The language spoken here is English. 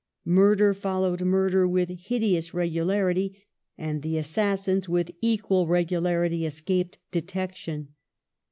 Murder followed murder with hideous regularity, and the assassins with equal regularity escaped detection.